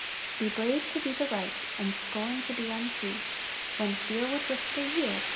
"Be brave to do the right, And scorn to be untrue; When fear would whisper 'yield!'